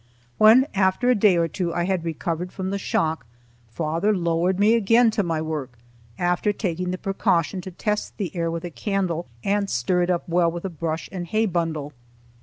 When, after a day or two, I had recovered from the shock, father lowered me again to my work, after taking the precaution to test the air with a candle and stir it up well with a brush and hay bundle.